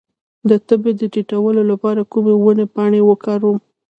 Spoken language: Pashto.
د تبې د ټیټولو لپاره د کومې ونې پاڼې وکاروم؟